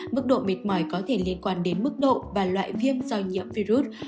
mức độ mệt mỏi có thể liên quan đến mức độ và loại viêm do nhiễm virus